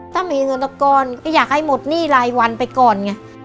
ถ้ามีเงินตะกรก็อยากให้หมดหนี้รายวันไปก่อนไง